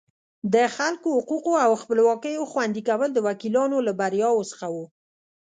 د خلکو حقوقو او خپلواکیو خوندي کول د وکیلانو له بریاوو څخه وو.